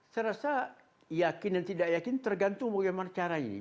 saya rasa yakin dan tidak yakin tergantung bagaimana cara ini